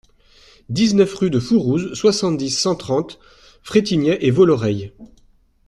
dix-neuf rue de Fourouze, soixante-dix, cent trente, Fretigney-et-Velloreille